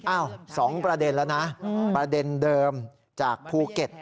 ๒ประเด็นแล้วนะประเด็นเดิมจากภูเก็ต